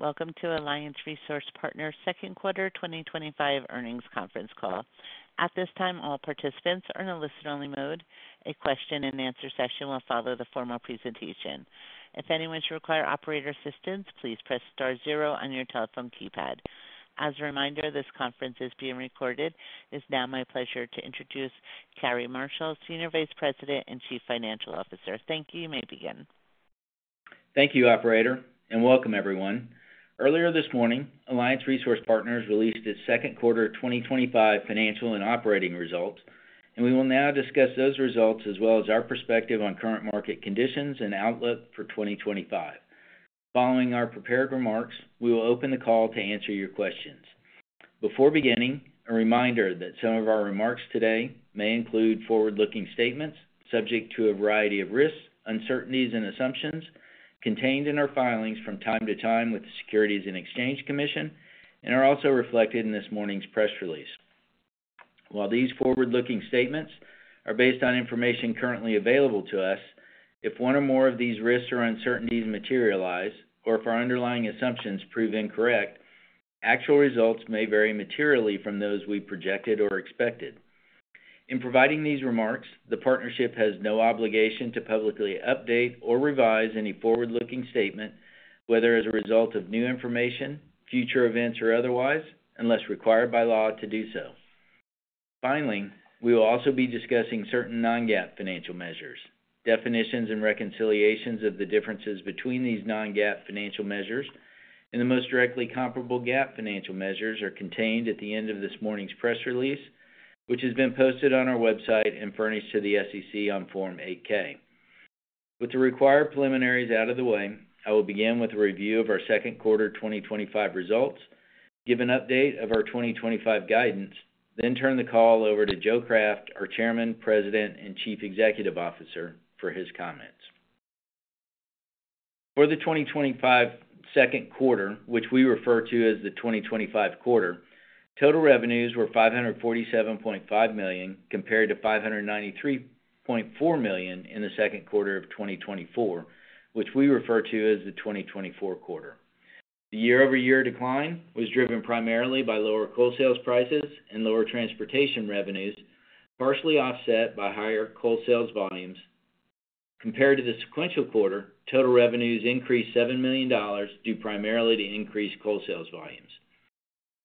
Welcome to Alliance Resource Partners second quarter 2025 earnings conference call. At this time, all participants are in a listen-only mode. A question-and-answer session will follow the formal presentation. If anyone should require operator assistance, please press star zero on your telephone keypad. As a reminder, this conference is being recorded. It is now my pleasure to introduce Cary Marshall, Senior Vice President and Chief Financial Officer. Thank you. You may begin. Thank you, Operator, and welcome everyone. Earlier this morning, Alliance Resource Partners released its second quarter 2025 financial and operating results, and we will now discuss those results as well as our perspective on current market conditions and outlook for 2025. Following our prepared remarks, we will open the call to answer your questions. Before beginning, a reminder that some of our remarks today may include forward-looking statements subject to a variety of risks, uncertainties, and assumptions contained in our filings from time to time with the Securities and Exchange Commission and are also reflected in this morning's press release. While these forward-looking statements are based on information currently available to us, if one or more of these risks or uncertainties materialize, or if our underlying assumptions prove incorrect, actual results may vary materially from those we projected or expected. In providing these remarks, the Partnership has no obligation to publicly update or revise any forward-looking statement, whether as a result of new information, future events, or otherwise, unless required by law to do so. Finally, we will also be discussing certain non-GAAP financial measures. Definitions and reconciliations of the differences between these non-GAAP financial measures and the most directly comparable GAAP financial measures are contained at the end of this morning's press release, which has been posted on our website and furnished to the SEC on Form 8-K. With the required preliminaries out of the way, I will begin with a review of our second quarter 2025 results, give an update of our 2025 guidance, then turn the call over to Joe Craft, our Chairman, President, and Chief Executive Officer, for his comments. For the 2025 second quarter, which we refer to as the 2025 quarter, total revenues were $547.5 million compared to $593.4 million in the second quarter of 2024, which we refer to as the 2024 quarter. The year-over-year decline was driven primarily by lower coal sales prices and lower transportation revenues, partially offset by higher coal sales volumes. Compared to the sequential quarter, total revenues increased $7 million due primarily to increased coal sales volumes.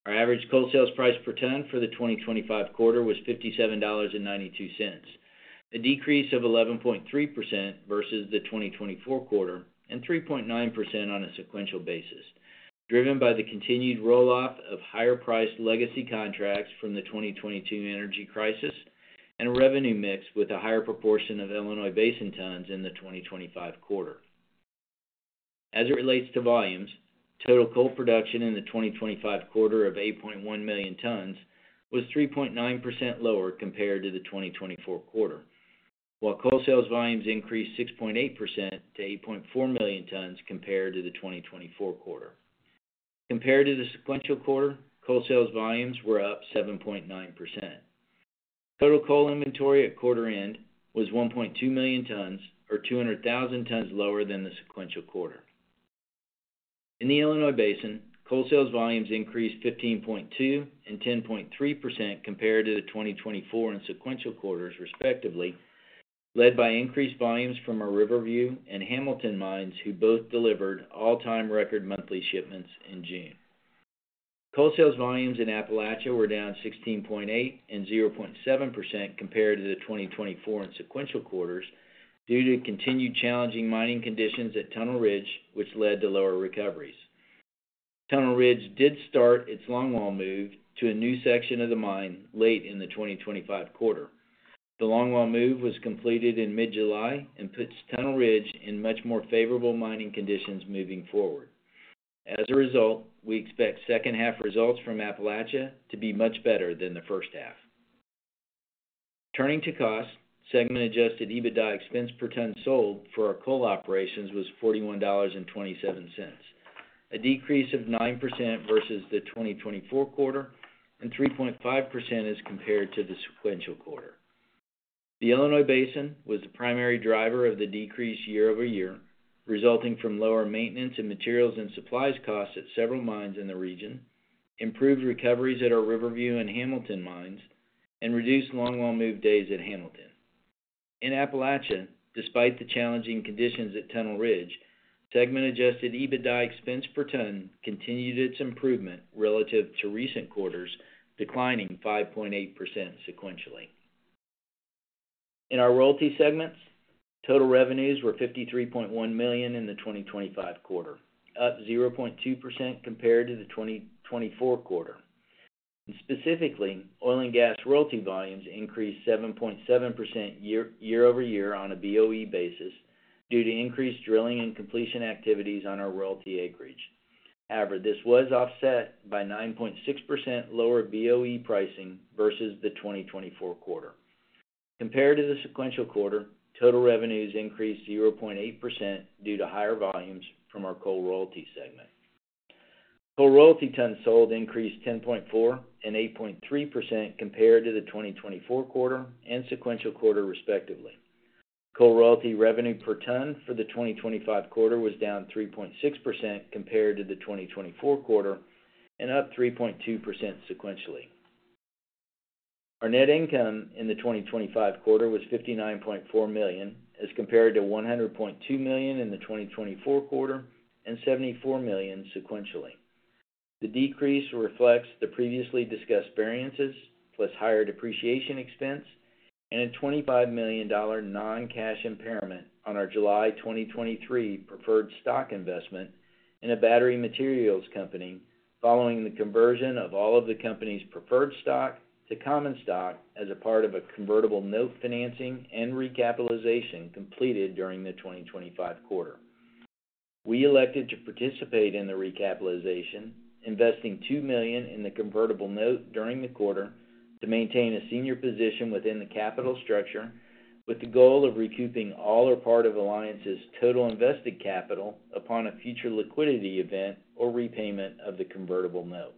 Our average coal sales price per ton for the 2025 quarter was $57.92, a decrease of 11.3% versus the 2024 quarter and 3.9% on a sequential basis, driven by the continued roll off of higher-priced legacy contracts from the 2022 energy crisis and a revenue mix with a higher proportion of Illinois Basin tons in the 2025 quarter. As it relates to volumes, total coal production in the 2025 quarter of 8.1 million tons was 3.9% lower compared to the 2024 quarter, while coal sales volumes increased 6.8% to 8.4 million tons compared to the 2024 quarter. Compared to the sequential quarter, coal sales volumes were up 7.9%. Total coal inventory at quarter end was 1.2 million tons, or 200,000 tons lower than the sequential quarter. In the Illinois Basin, coal sales volumes increased 15.2% and 10.3% compared to the 2024 and sequential quarters, respectively, led by increased volumes from our Riverview and Hamilton mines, which both delivered all-time record monthly shipments in June. Coal sales volumes in Appalachia were down 16.8% and 0.7% compared to the 2024 and sequential quarters due to continued challenging mining conditions at Tunnel Ridge, which led to lower recoveries. Tunnel Ridge did start its longwall move to a new section of the mine late in the 2025 quarter. The longwall move was completed in mid-July and puts Tunnel Ridge in much more favorable mining conditions moving forward. As a result, we expect second-half results from Appalachia to be much better than the first half. Turning to costs, segment adjusted EBITDA expense per ton sold for our coal operations was $41.27, a decrease of 9% versus the 2024 quarter and 3.5% as compared to the sequential quarter. The Illinois Basin was the primary driver of the decrease year over year, resulting from lower maintenance in materials and supplies costs at several mines in the region, improved recoveries at our Riverview and Hamilton mines, and reduced longwall move days at Hamilton. In Appalachia, despite the challenging conditions at Tunnel Ridge, segment adjusted EBITDA expense per ton continued its improvement relative to recent quarters, declining 5.8% sequentially. In our royalty segments, total revenues were $53.1 million in the 2025 quarter, up 0.2% compared to the 2024 quarter. Specifically, oil and gas royalty volumes increased 7.7% year over year on a BOE basis due to increased drilling and completion activities on our royalty acreage. However, this was offset by 9.6% lower BOE pricing versus the 2024 quarter compared to the sequential quarter. Total revenues increased 0.8% due to higher volumes from our coal royalty segment. Coal royalty tons sold increased 10.4% and 8.3% compared to the 2024 quarter and sequential quarter, respectively. Coal royalty revenue per ton for the 2025 quarter was down 3.6% compared to the 2024 quarter and up 3.2% sequentially. Our net income in the 2025 quarter was $59.4 million as compared to $100.2 million in the 2024 quarter and $74 million sequentially. The decrease reflects the previously discussed variances plus higher depreciation expense and a $25 million non-cash impairment on our July 2023 preferred stock investment in a battery materials company following the conversion of all of the company's preferred stock to common stock as a part of a convertible note financing and recapitalization completed during the 2025 quarter. We elected to participate in the recapitalization, investing $2 million in the convertible note during the quarter to maintain a senior position within the capital structure with the goal of recouping all or part of Alliance's total invested capital upon a future liquidity event or repayment of the convertible note.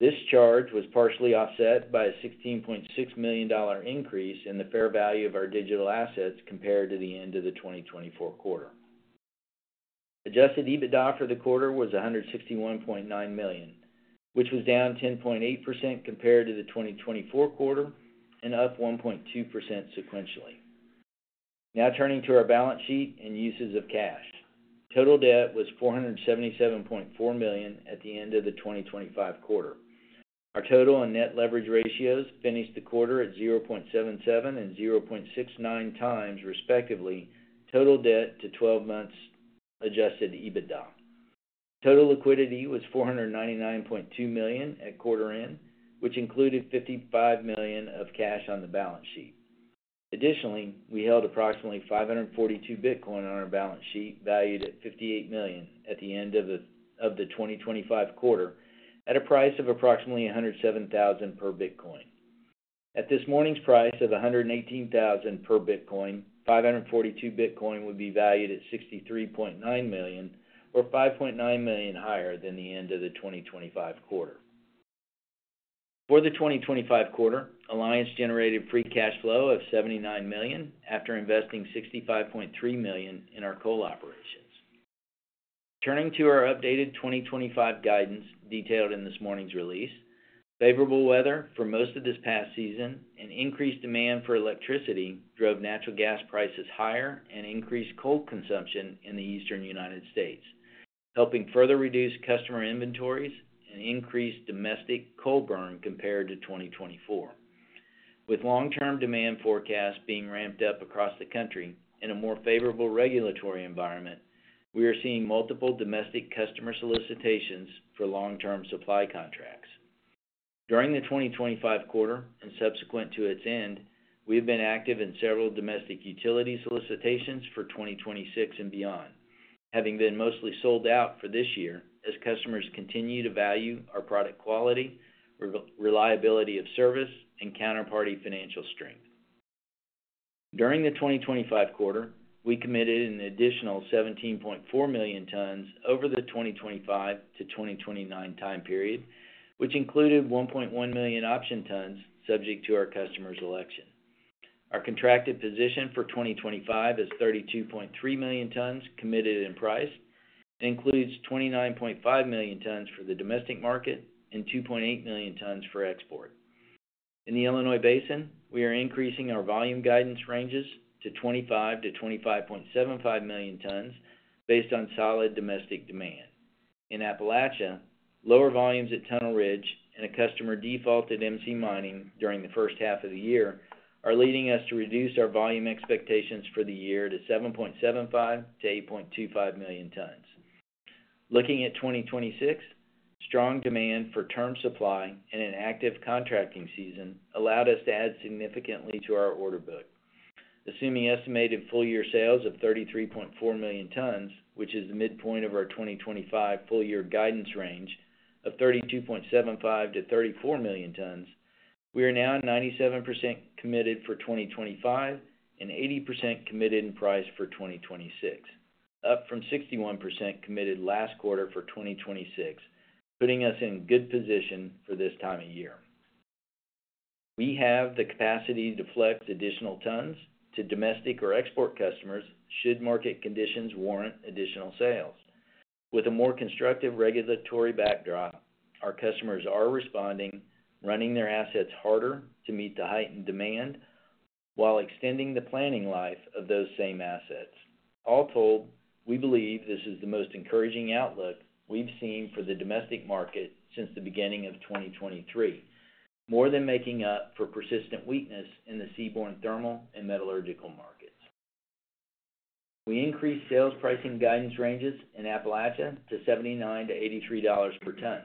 This charge was partially offset by a $16.6 million increase in the fair value of our digital assets compared to the end of the 2024 quarter. Adjusted EBITDA for the quarter was $161.9 million, which was down 10.8% compared to the 2024 quarter and up 1.2% sequentially. Now turning to our balance sheet and uses of cash, total debt was $477.4 million at the end of the 2025 quarter. Our total and net leverage ratios finished the quarter at 0.77 and 0.69 times, respectively. Total debt to 12 months adjusted EBITDA. Total liquidity was $499.2 million at quarter end, which included $55 million of cash on the balance sheet. Additionally, we held approximately 542 Bitcoin on our balance sheet valued at $58 million at the end of the 2025 quarter at a price of approximately $107,000 per Bitcoin. At this morning's price of $118,000 per Bitcoin, 542 Bitcoin would be valued at $63.9 million or $5.9 million higher than the end of the 2025 quarter. For the 2025 quarter, Alliance generated free cash flow of $79 million after investing $65.3 million in our coal operations. Turning to our updated 2025 guidance, detailed in this morning's release. Favorable weather for most of this past season and increased demand for electricity drove natural gas prices higher and increased coal consumption in the eastern United States, helping further reduce customer inventories and increase domestic coal burn compared to 2024. With long-term demand forecasts being ramped up across the country in a more favorable regulatory environment, we are seeing multiple domestic customer solicitations for long-term supply contracts during the 2025 quarter and subsequent to its end. We have been active in several domestic utility solicitations for 2026 and beyond, having been mostly sold out for this year as customers continue to value our product quality, reliability of service, and counterparty financial strength. During the 2025 quarter, we committed an additional 17.4 million tons over the 2025 to 2029 time period, which included 1.1 million option tons subject to our customers' election. Our contracted position for 2025 is 32.3 million tons committed in price, which includes 29.5 million tons for the domestic market and 2.8 million tons for export. In the Illinois Basin, we are increasing our volume guidance ranges to 25 to 25.75 million tons based on solid domestic demand. In Appalachia, lower volumes at Tunnel Ridge and a customer default at MC Mining during the first half of the year are leading us to reduce our volume expectations for the year to 7.75 to 8.25 million tons. Looking at 2026, strong demand for term supply and an active contracting season allowed us to add significantly to our order book. Assuming estimated full-year sales of 33.4 million tons, which is the midpoint of our 2025 full-year guidance range of 32.75 to 34 million tons, we are now 97% committed for 2025 and 80% committed in price for 2026, up from 61% committed last quarter for 2026, putting us in good position for this time of year. We have the capacity to flex additional tons to domestic or export customers should market conditions warrant additional sales. With a more constructive regulatory backdrop, our customers are responding, running their assets harder to meet the heightened demand while extending the planning life of those same assets. All told, we believe this is the most encouraging outlook we've seen for the domestic market since the beginning of 2023. More than making up for persistent weakness in the seaborne, thermal, and metallurgical markets, we increased sales pricing guidance ranges in Appalachia to $79 to $83 per ton.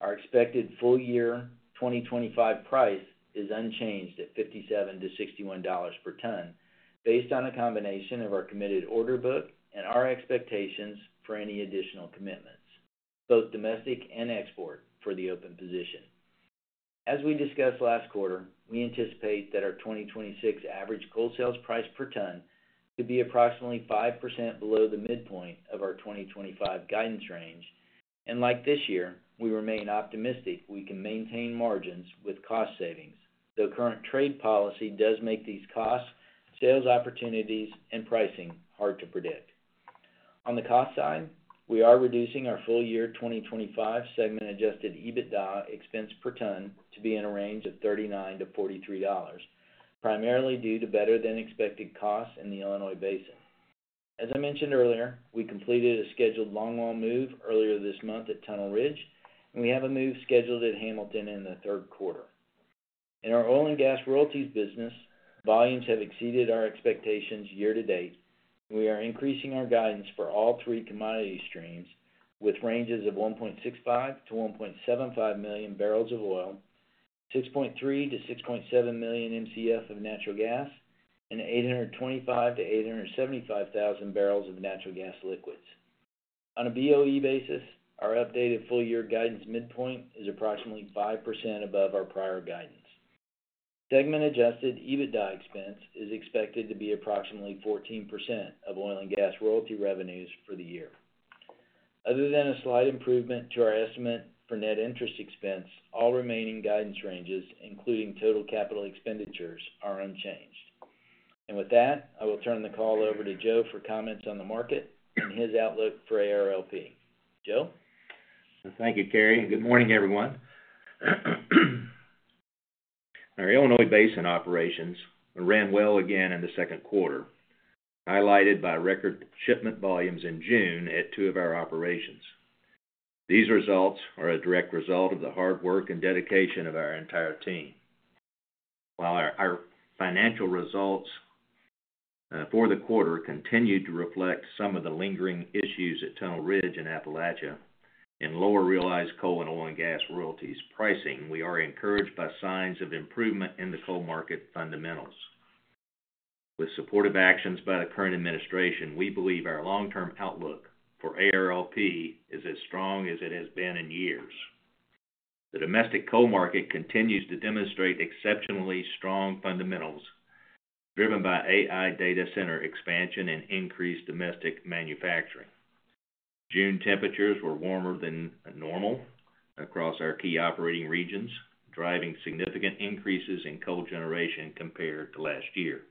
Our expected full-year 2025 price is unchanged at $57 to $61 per ton based on a combination of our committed order book and our expectations for any additional commitments, both domestic and export. For the open position, as we discussed last quarter, we anticipate that our 2026 average coal sales price per ton could be approximately 5% below the midpoint of our 2025 guidance range. Like this year, we remain optimistic we can maintain margins with cost savings, though current trade policy does make these costs, sales opportunities, and pricing hard to predict. On the cost side, we are reducing our full-year 2025 segment-adjusted EBITDA expense per ton to be in a range of $39 to $43, primarily due to better-than-expected costs in the Illinois Basin. As I mentioned earlier, we completed a scheduled longwall move earlier this month at Tunnel Ridge. We have a move scheduled at Hamilton in the third quarter. In our oil and gas royalties business, volumes have exceeded our expectations year to date. We are increasing our guidance for all three commodity streams with ranges of 1.65 to 1.75 million barrels of oil, 6.3 to 6.7 million Mcf of natural gas, and 825,000 to 875,000 barrels of natural gas liquids. On a BOE basis, our updated full-year guidance midpoint is approximately 5% above our prior guidance. Segment adjusted EBITDA expense is expected to be approximately 14% of oil and gas royalty revenues for the year. Other than a slight improvement to our estimate for net interest expense, all remaining guidance ranges, including total capital expenditures, are unchanged. With that, I will turn the call over to Joe for comments on the market and his outlook for ARLP. Joe, thank you, Cary. Good morning, everyone. Our Illinois Basin operations ran well again in the second quarter, highlighted by record shipment volumes in June at two of our operations. These results are a direct result of the hard work and dedication of our entire team. While our financial results for the quarter continued to reflect some of the lingering issues at Tunnel Ridge in Appalachia and lower realized coal and oil and gas royalties pricing, we are encouraged by signs of improvement in the coal market fundamentals with supportive actions by the current administration. We believe our long-term outlook for ARLP is as strong as it has been in years. The domestic coal market continues to demonstrate exceptionally strong fundamentals driven by AI data center expansion and increased domestic manufacturing. June temperatures were warmer than normal across our key operating regions, driving significant increases in coal generation compared to last year.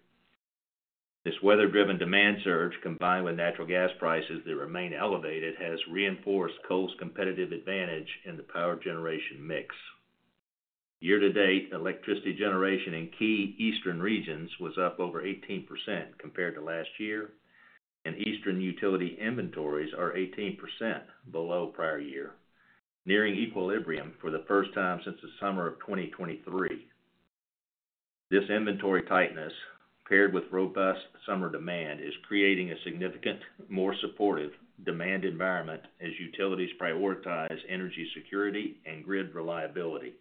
This weather-driven demand surge, combined with natural gas prices that remain elevated, has reinforced coal's competitive advantage in the power generation mix. Year to date, electricity generation in key eastern regions was up over 18% compared to last year, and Eastern utility inventories are 18% below prior year, nearing equilibrium for the first time since the summer of 2023. This inventory tightness, paired with robust summer demand, is creating a significantly more supportive demand environment as utilities prioritize energy security and grid reliability.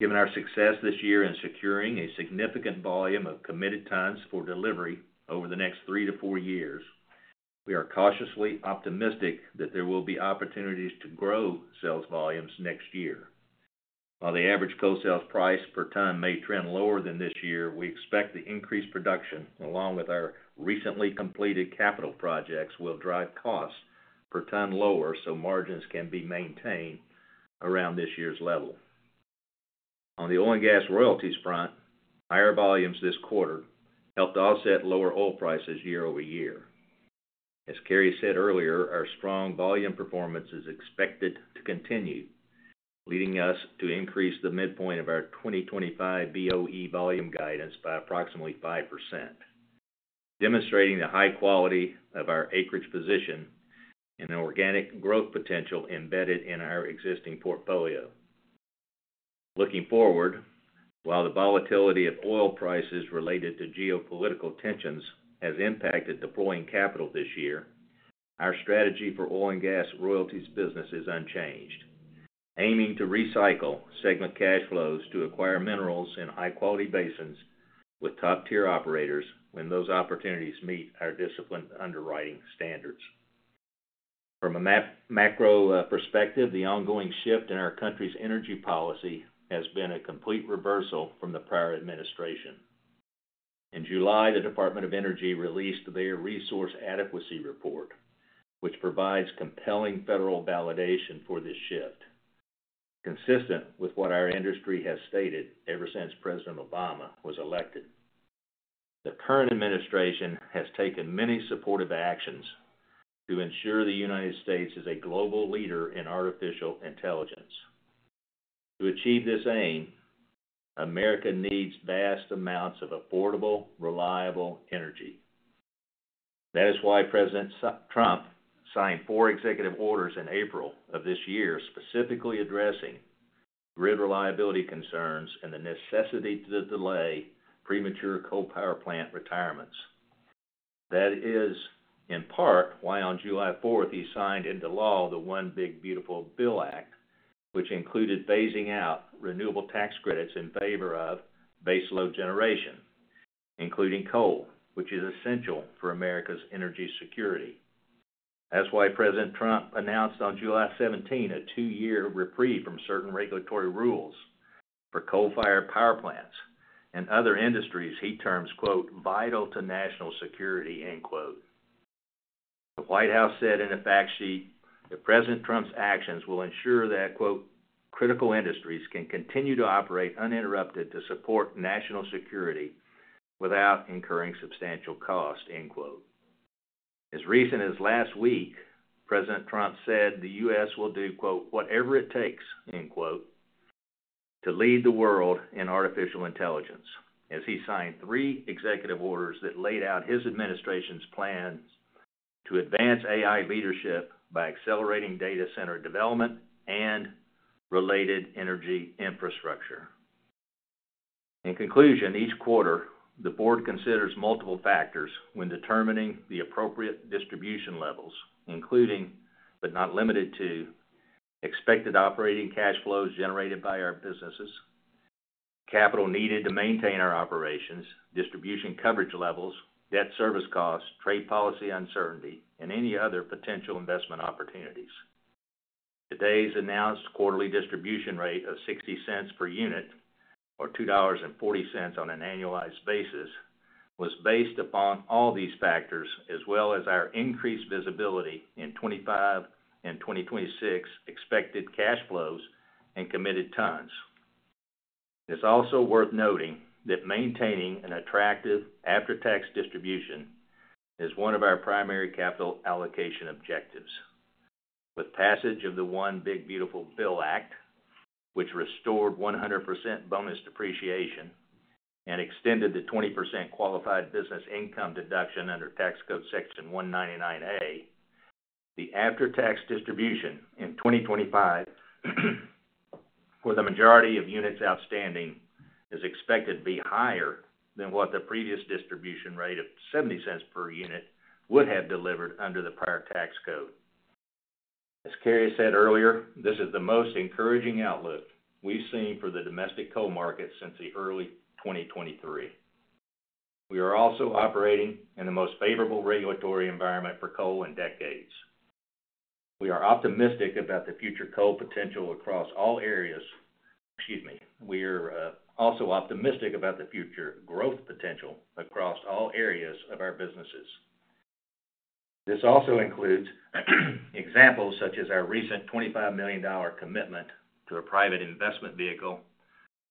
Given our success this year in securing a significant volume of committed tons for delivery over the next three to four years, we are cautiously optimistic that there will be opportunities to grow sales volumes next year. While the average coal sales price per ton may trend lower than this year, we expect the increased production, along with our recently completed capital projects, will drive costs per ton lower so margins can be maintained around this year's level. On the oil and gas royalties front, higher volumes this quarter helped offset lower oil prices year over year. As Cary said earlier, our strong volume performance is expected to continue, leading us to increase the midpoint of our 2025 BOE volume guidance by approximately 5%, demonstrating the high-quality of our acreage position and the organic growth potential embedded in our existing portfolio. Looking forward, while the volatility of oil prices related to geopolitical tensions has impacted deploying capital this year, our strategy for oil and gas royalties business is unchanged, aiming to recycle segment cash flows to acquire minerals in high-quality basins with top-tier operators when those opportunities meet our disciplined underwriting standards. From a macro perspective, the ongoing shift in our country's energy policy has been a complete reversal from the prior administration. In July, the Department of Energy released their Resource Adequacy Report, which provides compelling federal validation for this shift. Consistent with what our industry has stated, ever since President Obama was elected, the current administration has taken many supportive actions to ensure the United States is a global leader in Artificial Intelligence. To achieve this aim, America needs vast amounts of affordable, reliable energy. That is why President Trump signed four executive orders in April of this year, specifically addressing grid reliability concerns and the necessity to delay premature coal power plant retirements. That is in part why on July 4th he signed into law the One Big Beautiful Bill Act, which included phasing out renewable tax credits in favor of baseload generation, including coal, which is essential for America's energy security. That's why President Trump announced on July 17th a two-year reprieve from certain regulatory rules for coal-fired power plants and other industries he terms, quote, vital to national security. The White House said in a fact sheet that President Trump's actions will ensure that critical industries can continue to operate uninterrupted to support national security without incurring substantial cost. End quote. As recent as last week, President Trump said the U.S. will do whatever it takes to lead the world in Artificial Intelligence, as he signed three executive orders that laid out his administration's plans to advance AI leadership by accelerating data center development and related energy infrastructure. In conclusion, each quarter the Board considers multiple factors when determining the appropriate distribution levels, including but not limited to expected operating cash flows generated by our businesses, capital needed to maintain our operations, distribution coverage levels, debt service costs, trade policy uncertainty, and any other potential investment opportunities. Today's announced quarterly distribution rate of $0.60 per unit, or $2.40 on an annualized basis, was based upon all these factors as well as our increased visibility in 2025, in 2026, expected cash flows, and committed tons. It's also worth noting that maintaining an attractive after-tax distribution is one of our primary capital allocation objectives. With passage of the One Big Beautiful Bill Act, which restored 100% bonus depreciation and extended the 20% qualified business income deduction under tax code section 199A, the after-tax distribution in 2025 for the majority of units outstanding is expected to be higher than what the previous distribution rate of $0.70 per unit would have delivered under the prior tax code. As Cary said earlier, this is the most encouraging outlook we've seen for the domestic coal market since early 2023. We are also operating in the most favorable regulatory environment for coal in decades. We are optimistic about the future coal potential across all areas. We are also optimistic about the future growth potential across all areas of our businesses. This also includes examples such as our recent $25 million commitment to a private investment vehicle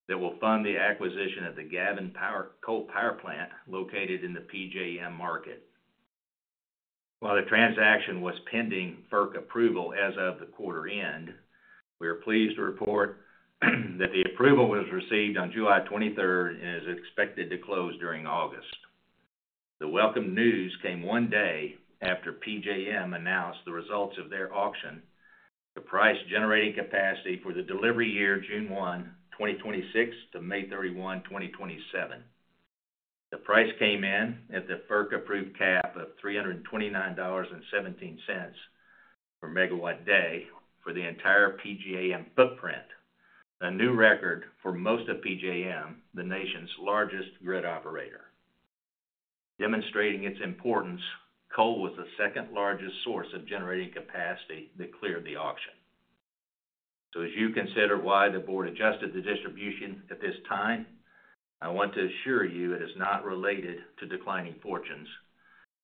that will fund the acquisition of the Gavin Power Plant located in the PJM market. While the transaction was pending FERC approval as of the quarter end, we are pleased to report that the approval was received on July 23rd and is expected to close during August. The welcome news came one day after PJM announced the results of their auction. The price generating capacity for the delivery year June 1, 2026, to May 31, 2027. The price came in at the FERC-approved cap of $329.17 per megawatt day for the entire PJM footprint, a new record for most of PJM, the nation's largest grid operator, demonstrating its importance. Coal was the second largest source of generating capacity that cleared the auction. As you consider why the Board adjusted the distribution at this time, I want to assure you it is not related to declining fortunes,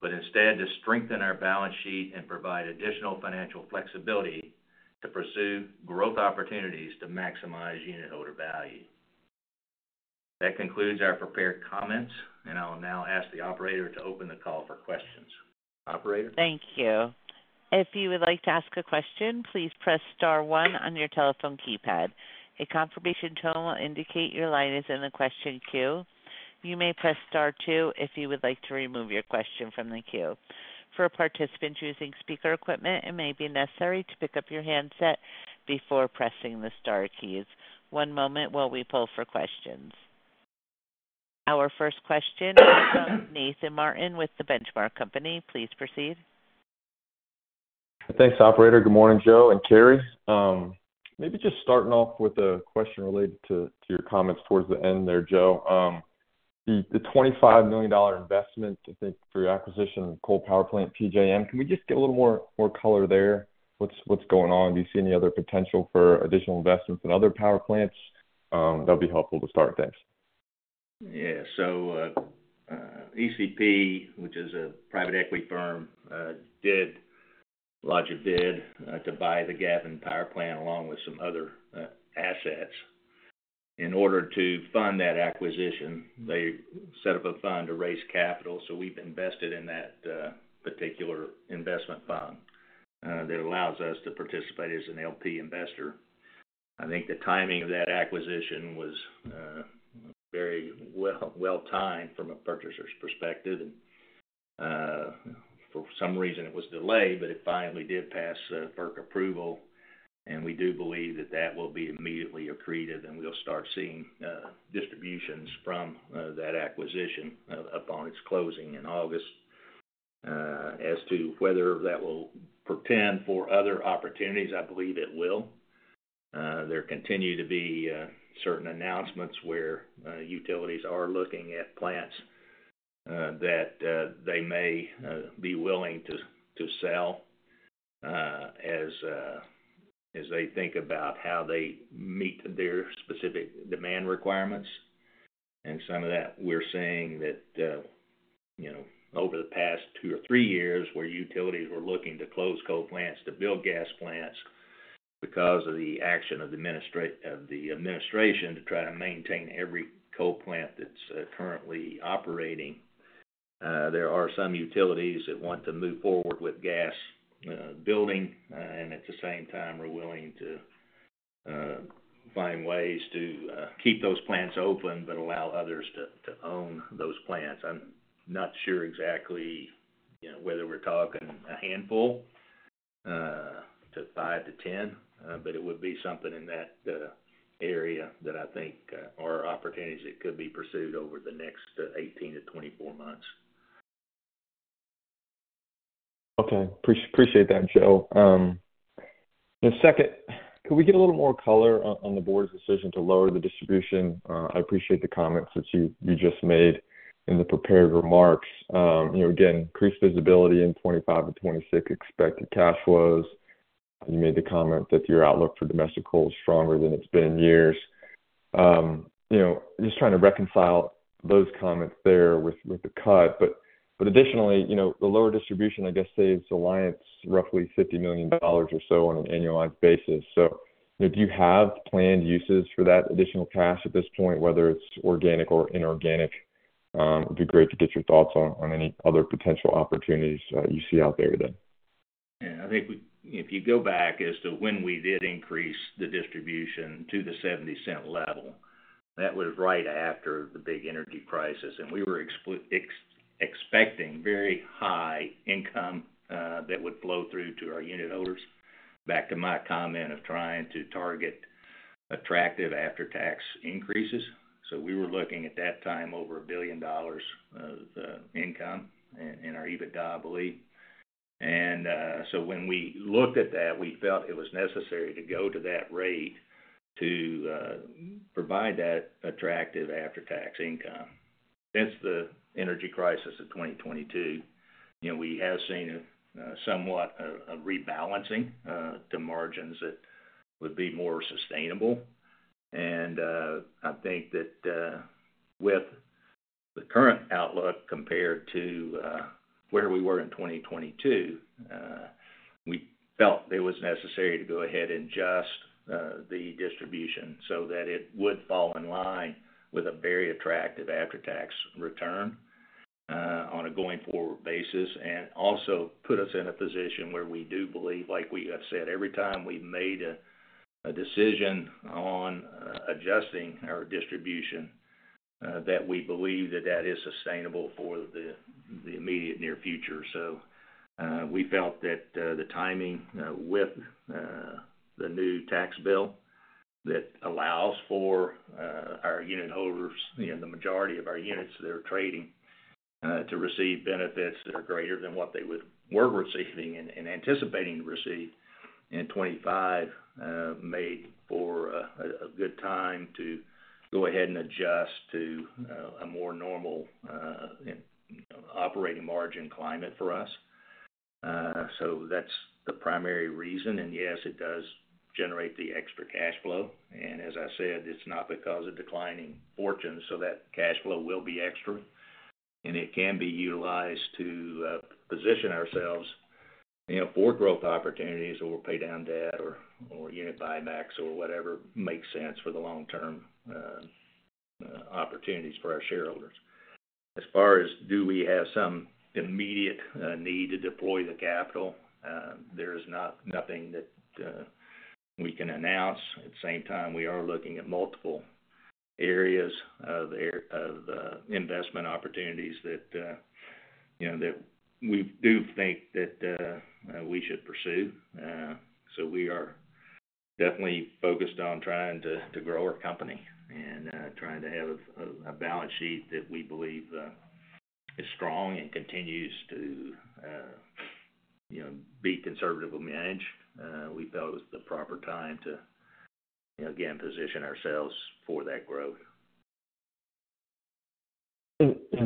but instead to strengthen our balance sheet and provide additional financial flexibility to pursue growth opportunities to maximize unitholder value. That concludes our prepared comments, and I will now ask the operator to open the call for questions. Operator, thank you. If you would like to ask a question, please press star one on your telephone keypad. A confirmation tone will indicate your line is in the question queue. You may press star two if you would like to remove your question from the queue. For participants using speaker equipment, it may be necessary to pick up your handset before pressing the star keys. One moment while we poll for questions. Our first question, Nathan Martin with The Benchmark Company. Please proceed. Thanks, Operator. Good morning, Joe and Cary. Maybe just starting off with a question related to your comments towards the end there. Joe, the $25 million investment, I think for your acquisition coal power plant PJM. Can we just get a little more color there? What's going on? Do you see any other potential for additional investments in other power plants that'll be helpful to start things? Yeah. ECP, which is a private equity firm, did lodge a bid to buy the Gavin Power Plant along with some other assets. In order to fund that acquisition, they set up a fund to raise capital. We've invested in that particular investment fund that allows us to participate as an LP investor. I think the timing of that acquisition was very well timed from a purchaser's perspective, and for some reason, it was delayed. It finally did pass FERC approval, and we do believe that will be immediately accretive, and we'll start seeing distributions from that acquisition upon its closing in August. As to whether that will portend for other opportunities, I believe it will. There continue to be certain announcements where utilities are looking at plants that they may be willing to sell as they think about how they meet their specific demand requirements. We're seeing that over the past two or three years, where utilities were looking to close coal plants to build gas plants because of the action of the administration to try to maintain every coal plant that's currently operating. There are some utilities that want to move forward with gas building and, at the same time, are willing to find ways to keep those plants open but allow others to own those plants. I'm not sure exactly whether we're talking a handful to five to 10, but it would be something in that area that I think are opportunities that could be pursued over the next 18 to 24 months. Okay, appreciate that, Joe. Second, could we get a little more Color on the board's decision to lower the distribution? I appreciate the comments that you just made in the prepared remarks. Again, increased visibility in 2025 to 2026 cash flows. You made the comment that your outlook for domestic coal is stronger than it's been in years. I'm just trying to reconcile those comments there with the cut. Additionally, the lower distribution, I guess, saves Alliance roughly $50 million or so on an annualized basis. Do you have planned uses for that additional cash at this point, whether it's organic or inorganic? It would be great to get your thoughts on any other potential opportunities you see out there. If you go back as to when we did increase the distribution to the $0.70 level, that was right after the big energy crisis, and we were expecting very high income that would flow through to our unitholders. Back to my comment of trying to target attractive after-tax increases. We were looking at that time at over $1 billion income in our EBITDA belief. When we looked at that, we felt it was necessary to go to that rate to provide that attractive after-tax income. Since the energy crisis of 2022, we have seen somewhat a rebalancing to margins that would be more sustainable. I think that with the current outlook compared to where we were in 2022, we felt it was necessary to go ahead and adjust the distribution so that it would fall in line with a very attractive after-tax return on a going-forward basis. It also put us in a position where we do believe, like we have said every time we've made a decision on adjusting our distribution, that we believe that is sustainable for the immediate near future. We felt that the timing with the new tax bill, that allows for our unitholders, the majority of our units that are trading, to receive benefits that are greater than what they were receiving and anticipating to receive in 2025, made for a good time to go ahead and adjust to a more normal operating margin climate for us. That's the primary reason. Yes, it does generate the extra cash flow. As I said, it's not because of declining fortunes. That cash flow will be extra, and it can be utilized to position ourselves for growth opportunities, or pay down debt, or unit buybacks, or whatever makes sense for the long-term opportunities for our unitholders. As far as do we have some immediate need to deploy the capital, there is nothing that we can announce. At the same time, we are looking at multiple areas of investment opportunities that we do think that we should pursue. We are definitely focused on trying to grow our company and trying to have a balance sheet that we believe is strong and continues to be conservatively managed. We felt it was the proper time to again position ourselves for that growth.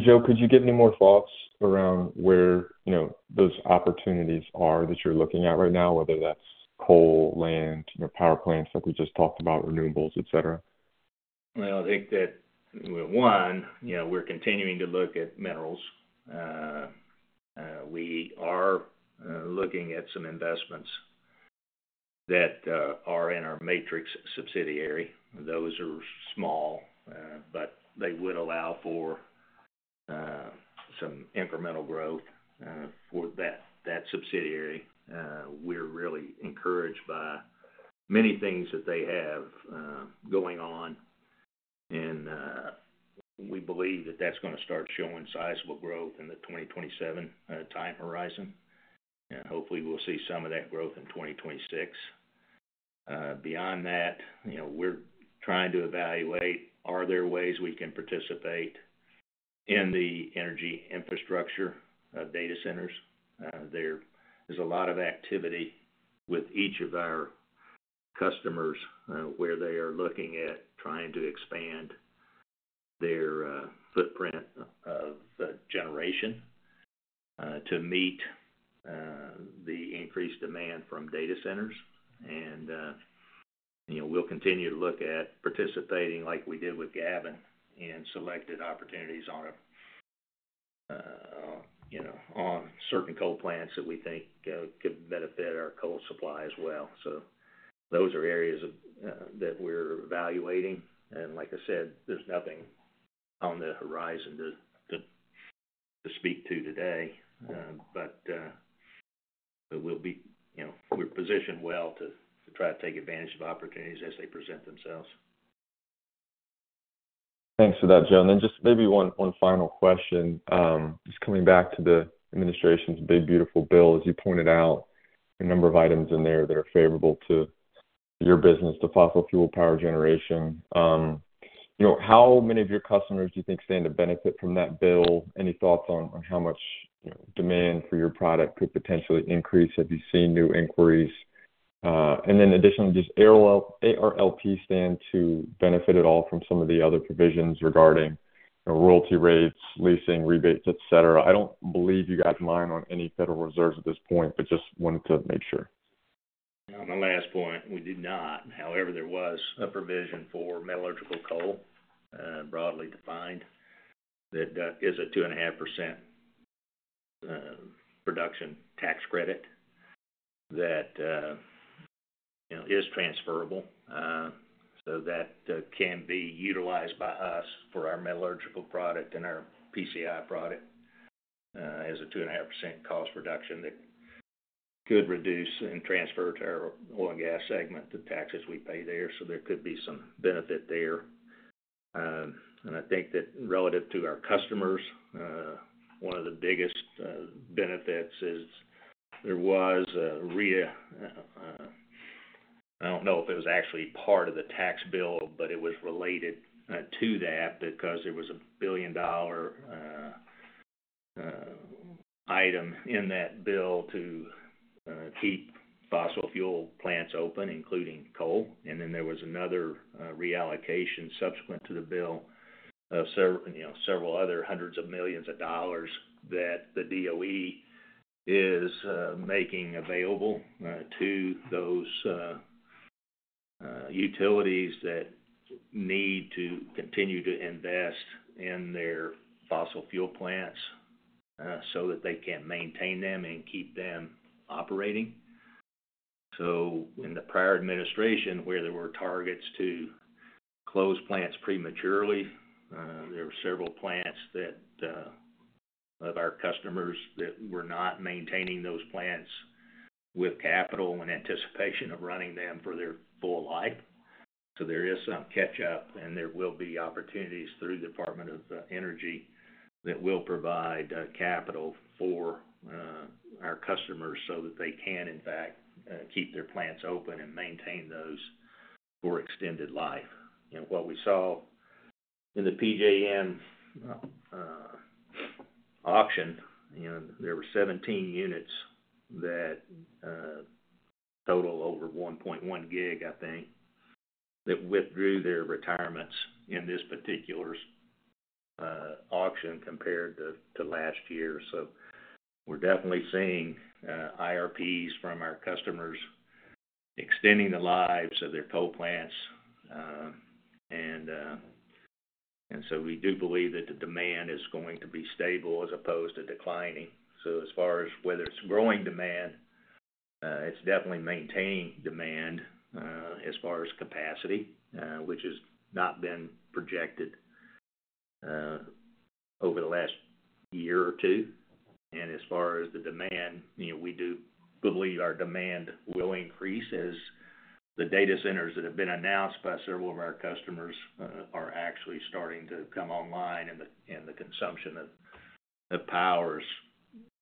Joe, could you give any more thoughts around where, you know, those opportunities are that you're looking at right now, whether that's coal, land, power plants, like we just talked about, renewables, et cetera? I think that one, you know, we're continuing to look at minerals. We are looking at some investments that are in our Matrix subsidiary. Those are small, but they would allow for some incremental growth for that subsidiary. We're really encouraged by many things that they have going on, and we believe that that's going to start showing sizable growth in the 2027 time horizon, and hopefully, we'll see some of that growth in 2026. Beyond that, we're trying to evaluate are there ways we can participate in the energy infrastructure of data centers. There is a lot of activity with each of our customers where they are looking at trying to expand their footprint of generation to meet the increased demand from data centers. You know, we'll continue to look at participating like we did with Gavin, and selected opportunities on certain coal plants that we think could benefit our coal supply as well. Those are areas that we're evaluating. Like I said, there's nothing on the horizon to speak to today, but we're positioned well to try to take advantage of opportunities as they present themselves. Thanks for that, Joe. Just maybe one final question. Just coming back to the administration's Big Beautiful Bill. As you pointed out, a number of items in there that are favorable to your business. The fossil fuel power generation, you know, how many of your customers do you think stand to benefit from that bill? Any thoughts on how much demand for your product could potentially increase if you see new inquiries? Additionally, does ARLP stand to benefit at all from some of the other provisions regarding royalty rates, leasing rebates, etc.? I don't believe you guys mine on any Federal Reserves at this point, but just wanted to make sure on that. Last point, we did not. However, there was a provision for metallurgical coal, broadly defined, that is a 2.5% production tax credit that is transferable, so that can be utilized by us for our metallurgical product and our PCI product as a 2.5% cost reduction that could reduce and transfer to our oil and gas segment the taxes we pay there. There could be some benefit there. I think that, relative to our customers, one of the biggest benefits is there was, I don't know if it was actually part of the tax bill, but it was related to that, because there was a $1 billion item in that bill to keep fossil fuel plants open, including coal. There was another reallocation subsequent to the bill of several other hundreds of millions of dollars that the DOE is making available to those utilities that need to continue to invest in their fossil fuel plants so that they can maintain them and keep them operating. In the prior administration, where there were targets to close plants prematurely, there were several plants of our customers that were not maintaining those plants with capital in anticipation of running them for their full life. There is some catch-up, and there will be opportunities through the Department of Energy that will provide capital for our customers so that they can, in fact, keep their plants open and maintain those for extended life. What we saw in the PJM auction, there were 17 units that total over 1.1 gig, I think, that withdrew their retirements in this particular auction compared to last year. We're definitely seeing IRPs from our customers extending the lives of their coal plants. We do believe that the demand is going to be stable as opposed to declining. As far as whether it's growing demand, it's definitely maintaining demand as far as capacity, which has not been projected over the last year or two. As far as the demand, we do believe our demand will increase as the data centers that have been announced by several of our customers are actually starting to come online, and the consumption of power is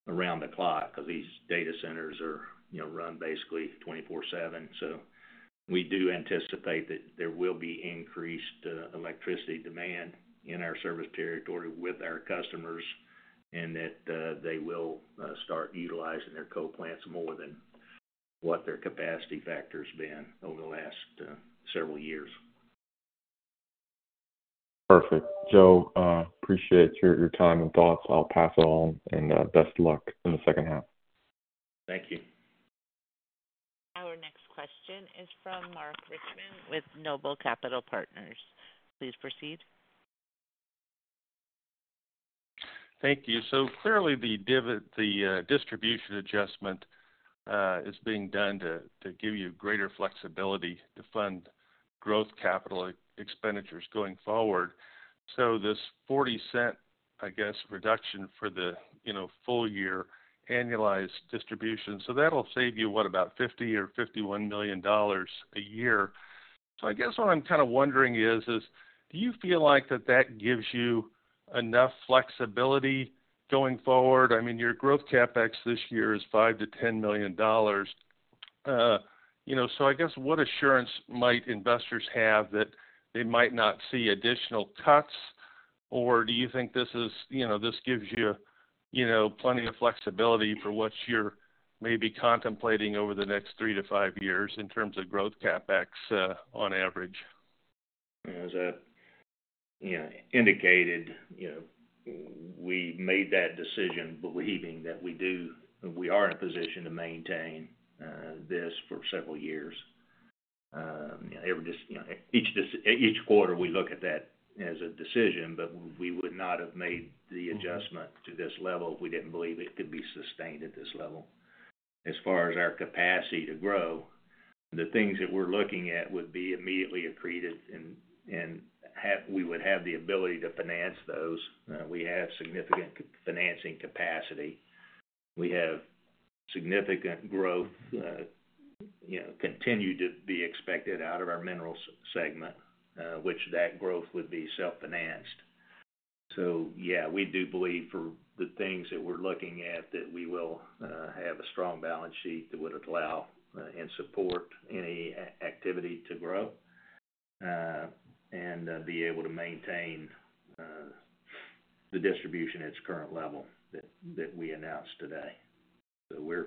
around the clock because these data centers run basically 24/7. We do anticipate that there will be increased electricity demand in our service territory with our customers and that they will start utilizing their coal plants more than what their capacity factors's been over the last several years. Perfect. Joe, appreciate your time and thoughts. I'll pass it on, and best of luck in the second half. Thank you. Our next question is from Mark Richmond with Noble Capital Partners. Please proceed. Thank you. Clearly, the distribution adjustment is being done to give you greater flexibility to fund growth capital expenditures going forward. This $0.40, I guess, reduction for the full year annualized distribution will save you, what, about $50 or $51 million a year. I guess what I'm kind of wondering is, do you feel like that gives you enough flexibility going forward? I mean, your growth CapEx this year is $5 to $10 million. I guess what assurance might investors have that they might not see additional cuts? Do you think this gives you plenty of flexibility for what you're maybe contemplating over the next three to five years in terms of growth, CapEx on average? As I indicated, we made that decision believing that we do. We are in a position to maintain this for several years. Each quarter, we look at that as a decision. We would not have made the adjustment to this level if we didn't believe it could be sustained at this level. As far as our capacity to grow, the things that we're looking at would be immediately accretive, and we would have the ability to finance those. We have significant financing capacity. We have significant growth continued to be expected out of our minerals segment, which that growth would be self-financed. We do believe for the things that we're looking at that we will have a strong balance sheet that would allow and support any activity to grow and be able to maintain. The. Distribution at its current level, that we announced today. We're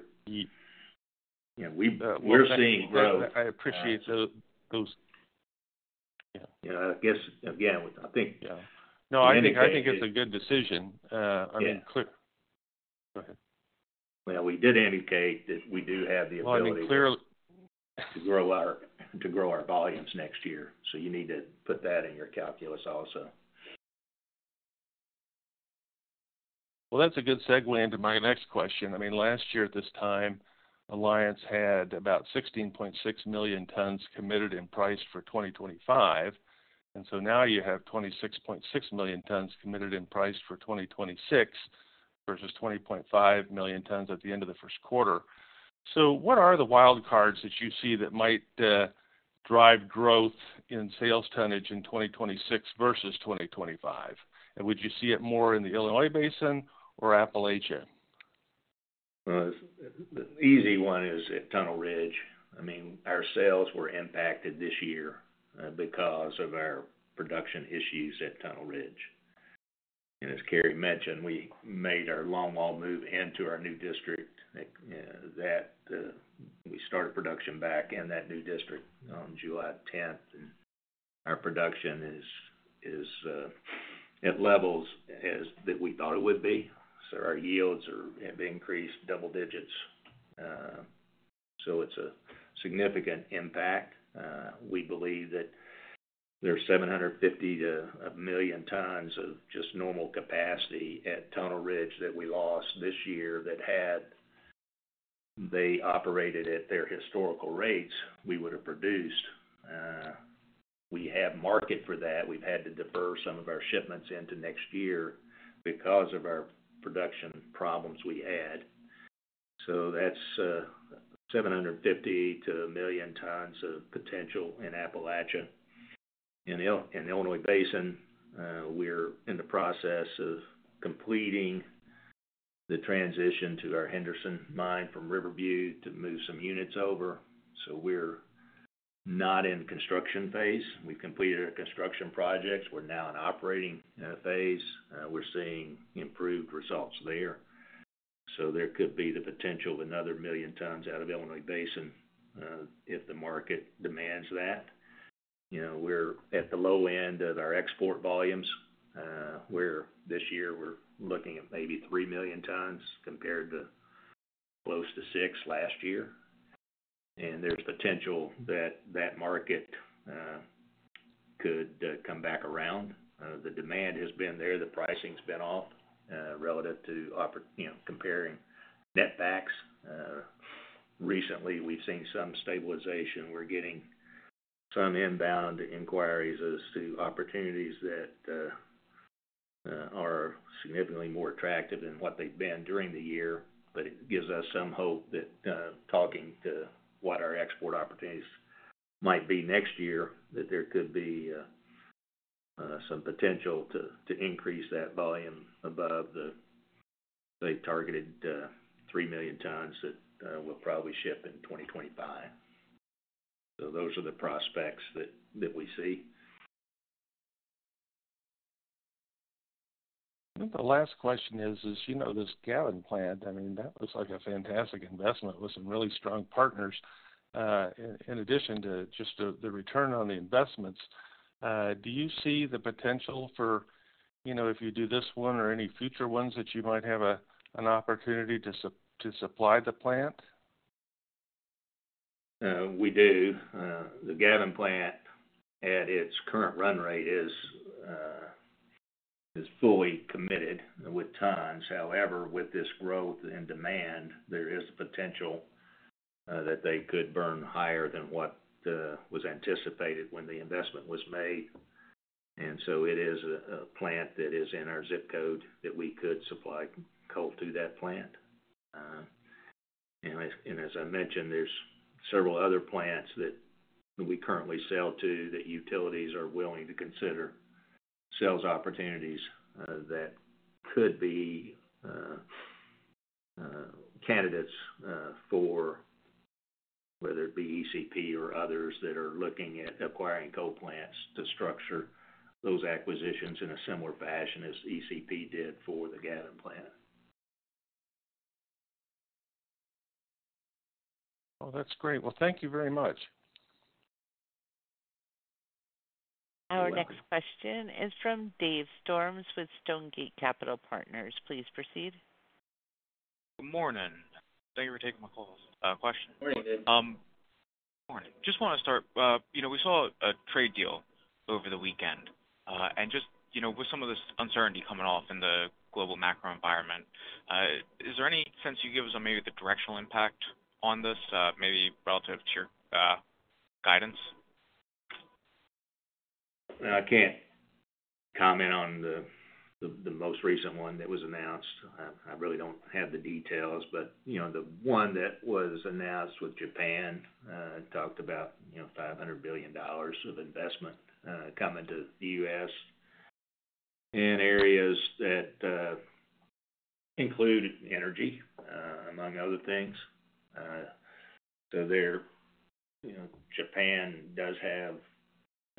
seeing growth. I appreciate those. I think. I think it's a good decision. Go ahead. We did indicate that we do have the ability to grow our volumes next year, so you need to put that in your calculus also. That's a good segue into my next question. I mean, last year at this time Alliance had about 16.6 million tons committed and priced for 2025. Now you have 26.6 million tons committed and priced for 2026 versus 20.5 million tons at the end of the first quarter. What are the wildcards that you see that might drive growth in sales tonnage in 2026 versus 2025? Would you see it more in the Illinois Basin or Appalachia? The easy one is at Tunnel Ridge. Our sales were impacted this year because of our production issues at Tunnel Ridge. As Cary mentioned, we made our long-haul move into our new district, and we started production back in that new district on July 10th. Our production is at levels that we thought it would be. Our yields have increased double digits. It is a significant impact. We believe that there is 750,000 to 1 million tons of just normal capacity at Tunnel Ridge that we lost this year that, had they operated at their historical rates, we would have produced. We have market for that. We've had to defer some of our shipments into next year because of our production problems. That is 750,000 to 1 million tons of potential in Appalachia and Illinois Basin. We're in the process of completing the transition to our Henderson mine from Riverview to move some units over. We're not in construction phase. We've completed our construction projects. We're now in operating phase. We're seeing improved results there. There could be the potential of another 1 million tons out of Illinois Basin if the market demands that. We're at the low end of our export volumes, where this year we're looking at maybe 3 million tons compared to close to 6 million last year. There is potential that that market could come back around. The demand has been there, the pricing's been off. Relative to comparing netbacks, recently we've seen some stabilization. We're getting some inbound inquiries as to opportunities that are significantly more attractive than what they've been during the year. It gives us some hope that, talking to what our export opportunities might be next year, there could be some potential to increase that volume above the targeted 3 million tons that will probably ship in 2025. Those are the prospects that we see. The last question is, as you know, this Gavin Plant, I mean that looks like a fantastic investment with some really strong partners in addition to just the return on the investments. Do you see the potential for, you know, if you do this one or any future ones, that you might have an opportunity to support to supply the plant? We do. The Gavin Plant, at its current run rate, is fully committed with tons. However, with this growth in demand, there is potential that they could burn higher than what was anticipated when the investment was made. It is a plant that is in our zip code that we could supply coal to. As I mentioned, there are several other plants that we currently sell to that utilities are willing to consider sales opportunities that could be candidates for, whether it be ECP or others that are looking at acquiring coal plants to structure those acquisitions in a similar fashion as ECP did for the Gavin Plant. That's great. Thank you very much. Our next question is from Dave Storms with Stonegate Capital Partners. Please proceed. Good morning. Thank you for taking my call. Morning, Dave. Just want to start. You know, we saw a trade deal over the weekend, and just with some of this uncertainty coming off in the global macro environment, is there any sense you give us on maybe the directional impact on this, maybe relative to your guidance? I can't comment on the most recent one that was announced. I really don't have the details, but the one that was announced with Japan talked about, you know, $500 billion of investment coming to the U.S. in areas that include energy, among other things. Japan does have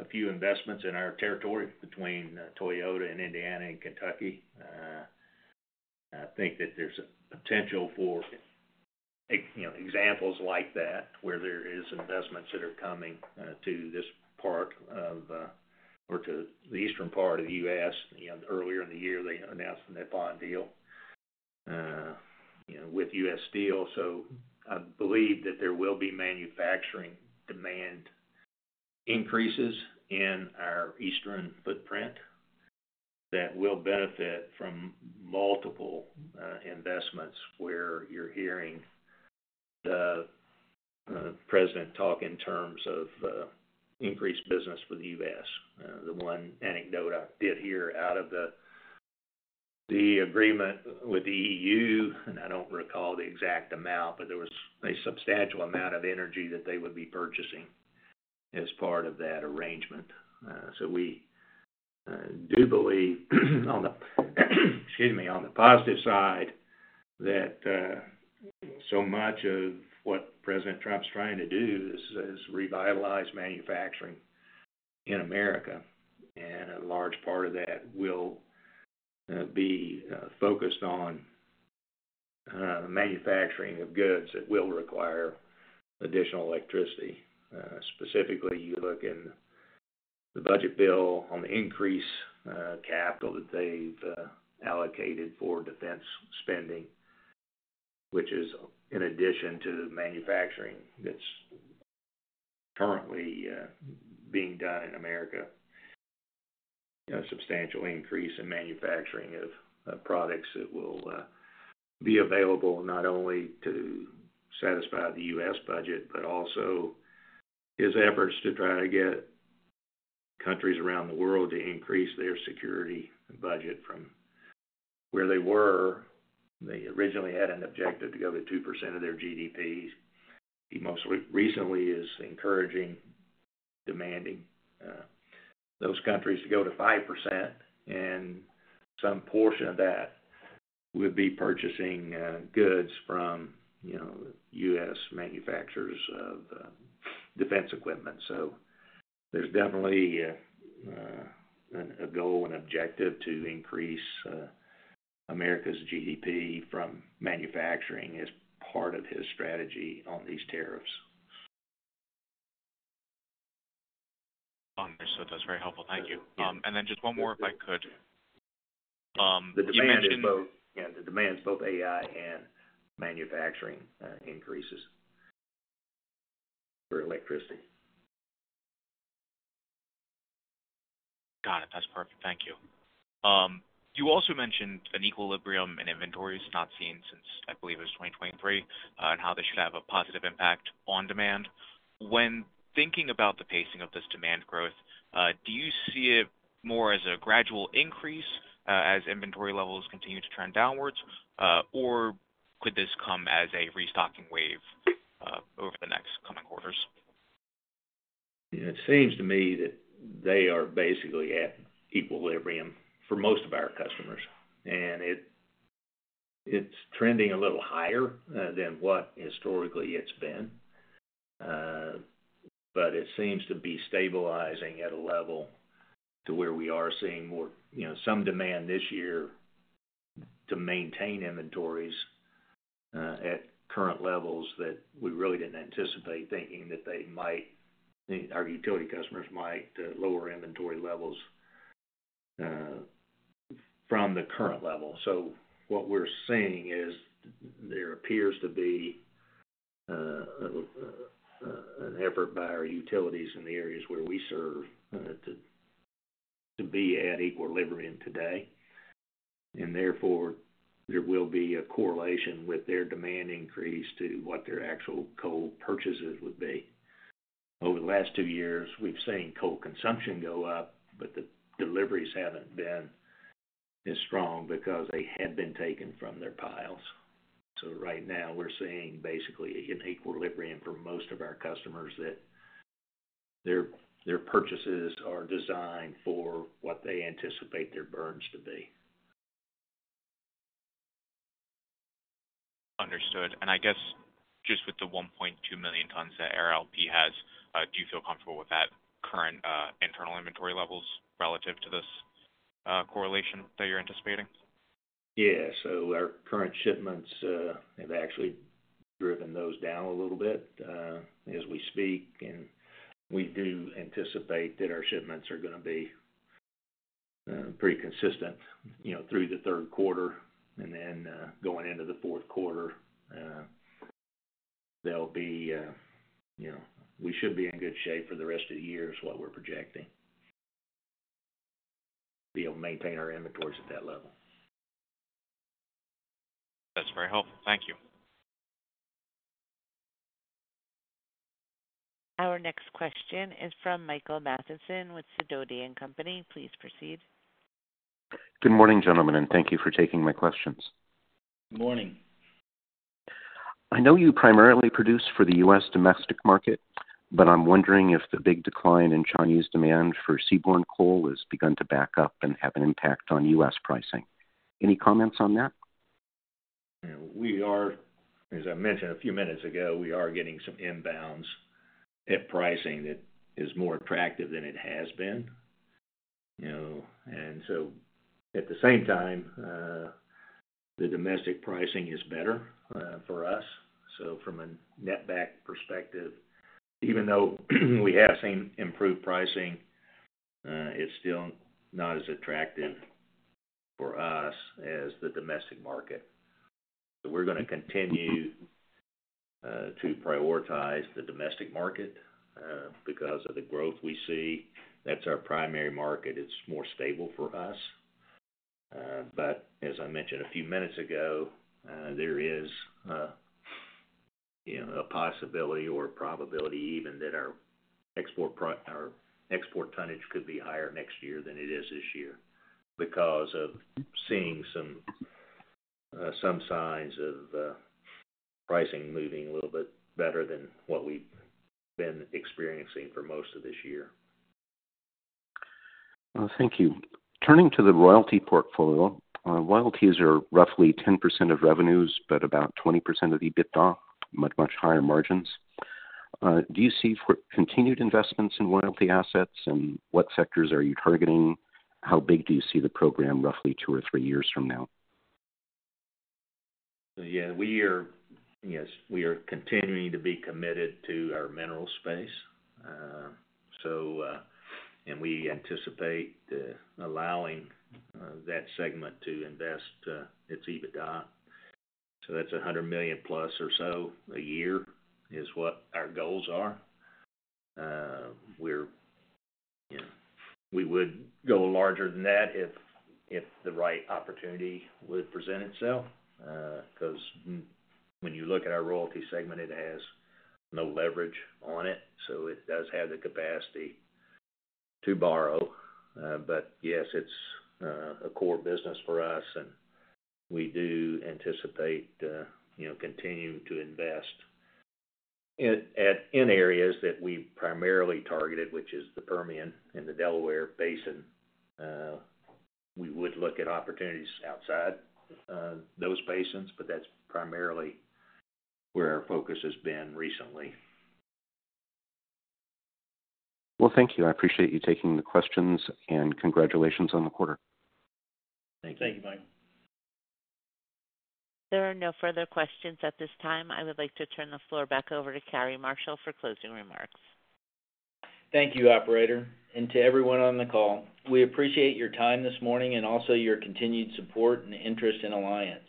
a few investments in our territory, between Toyota and Indiana, and Kentucky. I think that there's a potential for examples like that, where there are investments that are coming to this part of or to the eastern part of the U.S. Earlier in the year, they announced the Nippon deal with U.S. Steel. I believe that there will be manufacturing demand increases in our eastern footprint that will benefit from multiple investments. Where you're hearing the President talk in terms of increased business with U.S. The one anecdote I did hear out of the agreement with the EU, and I don't recall the exact amount, but there was a substantial amount of energy that they would be purchasing as part of that arrangement. We do believe on the positive side, that so much of what President Trump's trying to do is revitalize manufacturing in America, and a large part of that will be focused on manufacturing of goods that will require additional electricity. Specifically, you look in the budget bill on the increased capital that they've allocated for defense spending, which is, in addition to manufacturing that's currently being done in America, a substantial increase in manufacturing of products that will be available not only to satisfy the U.S. budget, but also his efforts to try to get countries around the world to increase their security budget from where they were. They originally had an objective to go to 2% of their GDP. He most recently is encouraging, demanding those countries to go to 5% and some portion of that would be purchasing goods from U.S. manufacturers of defense equipment. There's definitely a goal and objective to increase America's GDP from manufacturing as part of his strategy on these tariffs. Understood. That's very helpful. Thank you. Just one more, if I could. The demand, the demands, both AI and manufacturing increases for electricity. Got it. That's perfect. Thank you. You also mentioned an equilibrium in inventories not seen since, I believe, it was 2023, and how this should have a positive impact on demand. When thinking about the pacing of this demand growth, do you see it more as a gradual increase as inventory levels continue to trend downwards, or could this come as a restocking wave over the next coming quarters? It seems to me that they are basically at equilibrium for most of our customers, and it's trending a little higher than what historically it's been. It seems to be stabilizing at a level where we are seeing some demand this year to maintain inventories at current levels that we really didn't anticipate, thinking that our utility customers might lower inventory levels from the current level. What we're seeing is there appears to be an effort by our utilities in the areas where we serve to be at equilibrium today. Therefore, there will be a correlation with their demand increase to what their actual coal purchases would be. Over the last two years, we've seen coal consumption go up, but the deliveries haven't been as strong because they had been taken from their piles. Right now, we're seeing basically an equilibrium for most of our customers, that their purchases are designed for what they anticipate their burns to be. Understood. I guess just with the $1.2 million tons that ARLP has, do you feel comfortable with that current internal inventory levels relative to this correlation that you're anticipating? Our current shipments have actually driven those down a little bit as we speak. We do anticipate that our shipments are going to be pretty consistent through the third quarter, and then going into the fourth quarter, we should be in good shape for the rest of the year is what we're projecting, be able to maintain our inventories at that level. That's very helpful. Thank you. Our next question is from Michael Mathison with Sidoti & Company. Please proceed. Good morning, gentlemen, and thank you for taking my questions. Good morning. I know you primarily produce for the U.S. domestic market, but I'm wondering if the big decline in Chinese demand for seaborne coal has begun to back up and have an impact on U.S. pricing. Any comments on that? We are, as I mentioned a few minutes ago, getting some inbounds at pricing that is more attractive than it has been. At the same time, the domestic pricing is better for us. From a netback perspective, even though we have seen improved pricing, it's still not as attractive for us as the domestic market. We are going to continue to prioritize the domestic market because of the growth we see. That's our primary market. It's more stable for us. As I mentioned a few minutes ago, there is a possibility or probability even that our export tonnage could be higher next year than it is this year, because of seeing some signs of pricing moving a little bit better than what we've been experiencing for most of this year. Thank you. Turning to the royalty portfolio, royalties are roughly 10% of revenues, but about 20% of EBITDA. Much, much higher margins. Do you see continued investments in royalty assets, and what sectors are you targeting? How big. Do you see the program roughly two or three years from now? Yes, we are continuing to be committed to our mineral space. We anticipate allowing that segment to invest its EBITDA. That's $100 million plus or so a year, which is what our goals are. We would go larger than that if the right opportunity would present itself. When you look at our royalty segment, it has no leverage on it, so it does have the capacity to borrow. Yes, it's a core business for us. We do anticipate continuing to invest in areas that we primarily targeted, which is the Permian and the Delaware Basin. We would look at opportunities outside those basins, but that's primarily where our focus has been recently. Thank you. I appreciate you taking the questions, and congratulations on the quarter. Thank you, Michael. There are no further questions at this time. I would like to turn the floor back over to Cary Marshall for closing remarks. Thank you, Operator. To everyone on the call, we appreciate your time this morning and also your continued support and interest in Alliance.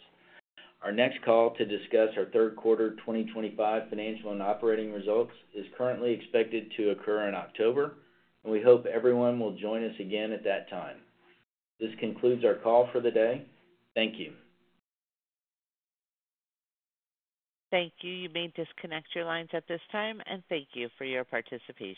Our next call to discuss our third quarter 2025 financial and operating results is currently expected to occur in October, and we hope everyone will join us again at that time. This concludes our call for the day. Thank you. Thank you. You may disconnect your lines at this time. Thank you for your participation.